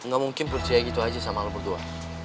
gak mungkin percaya gitu aja sama lo berdua